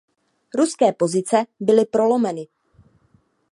Ruské pozice byly prolomeny.